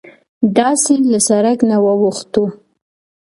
داسې له سرک نه واوښتوو.